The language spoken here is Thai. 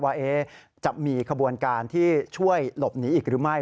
ว่าจะมีขบวนการที่ช่วยหลบหนีอีกหรือไม่